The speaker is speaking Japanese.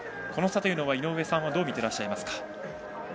この差は井上さんどう見てらっしゃいますか。